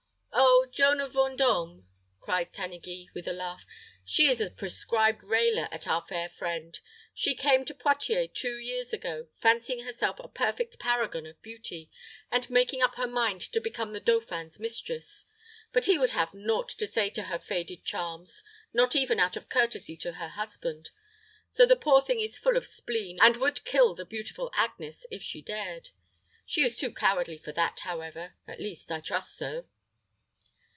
"Oh, Joan of Vendôme," cried Tanneguy, with a laugh; "she is a prescribed railer at our fair friend. She came to Poictiers two years ago, fancying herself a perfect paragon of beauty, and making up her mind to become the dauphin's mistress; but he would have naught to say to her faded charms not even out of courtesy to her husband; so the poor thing is full of spleen, and would kill the beautiful Agnes, if she dared. She is too cowardly for that, however: at least I trust so."